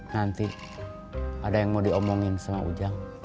nanti ada yang mau diomongin sama ujang